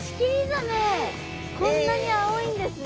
こんなに青いんですね。